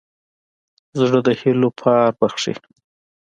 زړه د هيلو پار بښي.